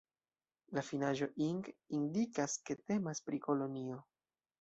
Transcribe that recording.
La finaĵo -ing indikas ke temas pri kolonio.